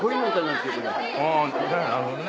なるほどね。